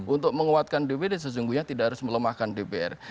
untuk menguatkan dpd sesungguhnya tidak harus melemahkan dpr